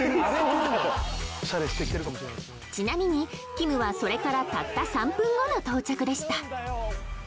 ちなみにきむはそれからたった３分後の到着でした